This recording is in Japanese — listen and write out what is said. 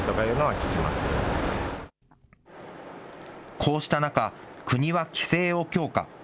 こうした中、国は規制を強化。